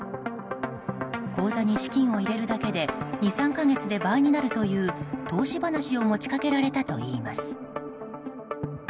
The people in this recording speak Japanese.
口座に資金を入れるだけで２３か月で倍になるという投資話を持ち掛けられたといいます。